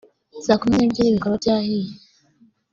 saa kumi n’ebyiri bikaba byahiye